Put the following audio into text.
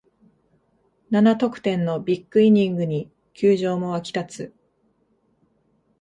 七得点のビッグイニングに球場も沸き立つ